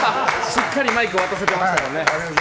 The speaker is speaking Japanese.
しっかりマイクを渡せていました。